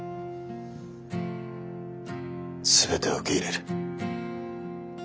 全てを受け入れる。